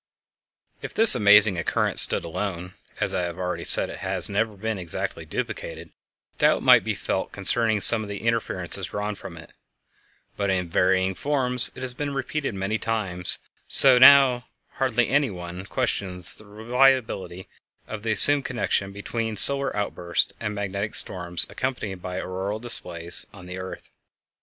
If this amazing occurrence stood alone, and as I have already said it has never been exactly duplicated, doubt might be felt concerning some of the inferences drawn from it; but in varying forms it has been repeated many times, so that now hardly anyone questions the reality of the assumed connection between solar outbursts and magnetic storms accompanied by auroral displays on the earth.